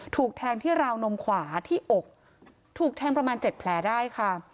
ถูกแทงที่ราวนมขวาที่อกถูกแทงประมาณ๗แผลได้ค่ะ